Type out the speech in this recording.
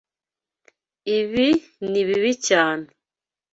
Ibi ni bibi cyane.